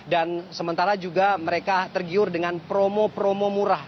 dan sementara juga mereka tergiur dengan promo promo murah